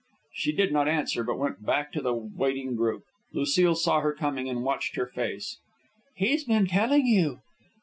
She did not answer, but went back to the waiting group. Lucile saw her coming and watched her face. "He's been telling you